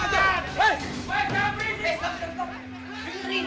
hei jangan berisik